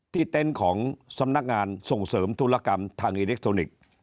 เต็นต์ของสำนักงานส่งเสริมธุรกรรมทางอิเล็กทรอนิกส์